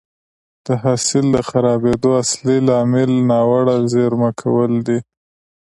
د حاصل د خرابېدو اصلي لامل ناوړه زېرمه کول دي